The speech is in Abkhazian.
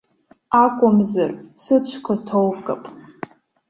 Акәымзар, сыцәқәа ҭоукып.